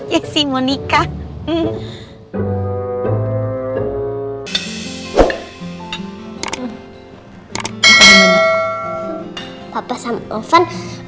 yesi mau nikah